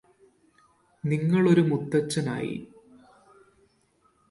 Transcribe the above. നിങ്ങളൊരു മുത്തച്ഛനായി